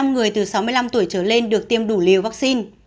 chín mươi hai người từ sáu mươi năm tuổi trở lên được tiêm đủ liều vaccine